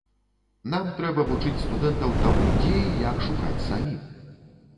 Нам трэба вучыць студэнтаў таму, дзе і як шукаць самім.